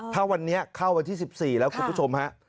ถ้าวันนี้เข้าวันที่๑๔แล้วคุณผู้ชมฮะ